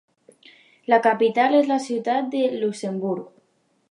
La capital és la ciutat de Luxemburg.